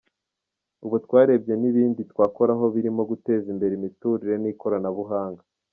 Ubu twarebye n’ibindi twakoraho birimo guteza imbere imiturire n’ikoranabuhanga.